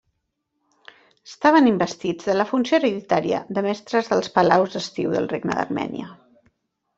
Estaven investits de la funció hereditària de Mestres dels Palaus d'Estiu del regne d'Armènia.